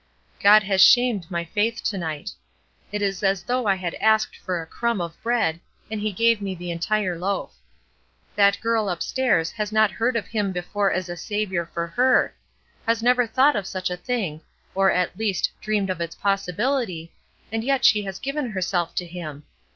God has shamed my faith to night. It is as though I had asked for a crumb of bread, and he gave me the entire loaf. That girl up stairs has not heard of Him before as a Saviour for her; has never thought of such a thing, or, at least, dreamed of its possibility, and yet she has given herself to Him.